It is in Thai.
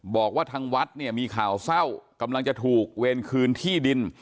บอกว่าทางวัดเนี่ยมีข่าวเศร้ากำลังจะถูกเวรคืนที่ดิน